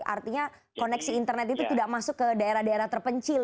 artinya koneksi internet itu tidak masuk ke daerah daerah terpencil